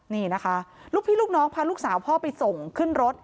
นี่นะคะลูกพี่ลูกน้องพาลูกสาวพ่อไปส่งขึ้นรถ